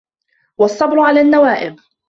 وَالصَّبْرُ عَلَى النَّوَائِبِ